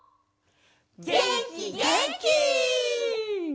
げんきげんき！